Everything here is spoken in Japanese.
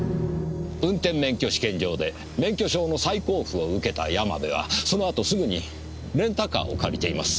運転免許試験場で免許証の再交付を受けた山部はそのあとすぐにレンタカーを借りています。